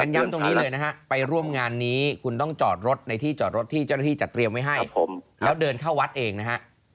ย้ำตรงนี้เลยนะฮะไปร่วมงานนี้คุณต้องจอดรถในที่จอดรถที่เจ้าหน้าที่จัดเตรียมไว้ให้แล้วเดินเข้าวัดเองนะฮะ